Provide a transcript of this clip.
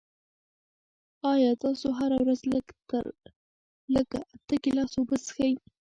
آیا تاسو هره ورځ لږ تر لږه اته ګیلاسه اوبه څښئ؟